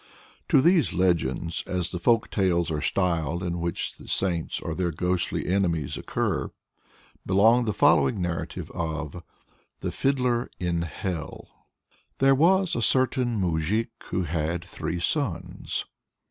To these "legends," as the folk tales are styled in which the saints or their ghostly enemies occur, belongs the following narrative of THE FIDDLER IN HELL. There was a certain moujik who had three sons.